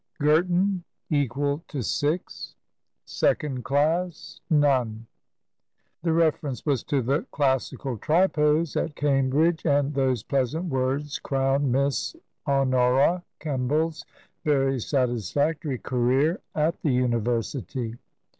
Girton (equal to 6). Second class : none." The reference was to the classical Tripos at Cam bridge, and those pleasant words crowned Miss Honora Kemball's very satisfactory career at the University.